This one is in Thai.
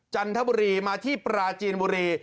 จันทร์บุรีมาเตียบลาจีนบุรี